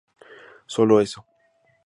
Solo eso".